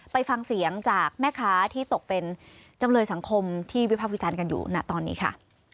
ไปฟังเสียงจากแม่ค้าที่ตกเป็นจำเลยสังคมที่วิภาควิจารณ์กันอยู่ณตอนนี้ค่ะ